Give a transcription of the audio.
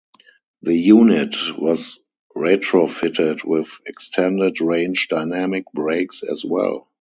The unit was retrofitted with extended-range dynamic brakes as well.